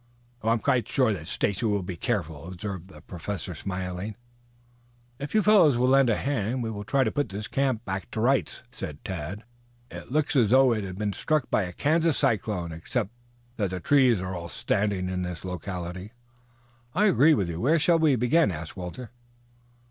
"I am quite sure that Stacy will be careful," observed the Professor smilingly. "If you fellows will lend a hand we will try to put this camp to rights," said Tad. "It looks as if it had been struck by a Kansas cyclone, except that the trees are all standing in this locality." "I agree with you. Where shall we begin?" asked Walter.